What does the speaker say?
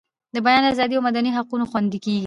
د بیان ازادي او مدني حقونه خوندي کیږي.